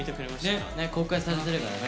ねっ公開されてるからね。